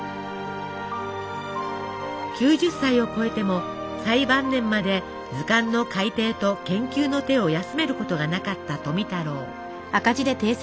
９０歳を超えても最晩年まで図鑑の改訂と研究の手を休めることがなかった富太郎。